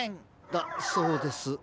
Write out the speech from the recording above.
だそうです。